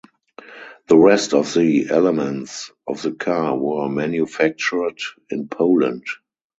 The rest of the elements of the car were manufactured in Poland.